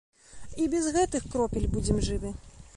І без гэтых кропель будзем жывы.